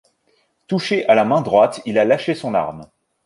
Touché à la main droite, il a lâché son arme.